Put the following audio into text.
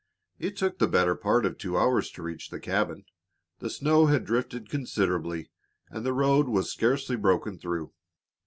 It took the better part of two hours to reach the cabin. The snow had drifted considerably, and the road was scarcely broken through.